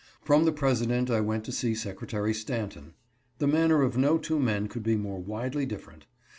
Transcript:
Prom the President I went to see Secretary Stanton. The manner of no two men could be more widely differ ent.